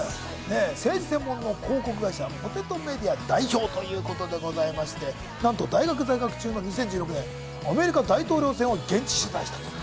政治専門の広告会社・ＰＯＴＥＴＯＭｅｄｉａ代表ということでございまして、なんと大学在学中の２０１６年、アメリカ大統領選を現地取材したと。